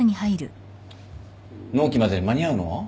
納期までに間に合うの？